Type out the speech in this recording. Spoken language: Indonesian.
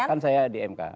kan saya di mk